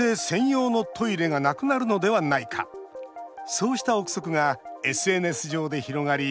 そうした臆測がＳＮＳ上で広がり